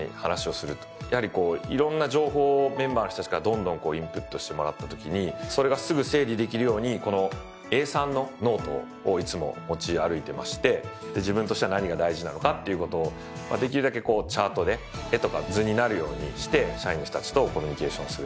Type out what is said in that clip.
やはりいろんな情報をメンバーの人たちからどんどんインプットしてもらったときにそれがすぐ整理できるようにこのＡ３のノートをいつも持ち歩いてまして自分としては何が大事なのかっていうことをできるだけチャートで絵とか図になるようにして社員の人たちとコミュニケーションする。